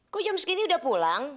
kok jam segini udah pulang